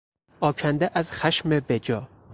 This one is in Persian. آکنده از خشم بجا